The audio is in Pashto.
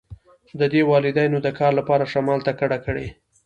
د دوی والدینو د کار لپاره شمال ته کډه کړې